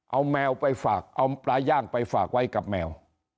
เอาแมวไปฝากเอาปลาย่างไปฝากไว้กับแมว